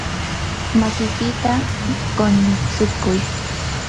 makiykita quñutsikuy.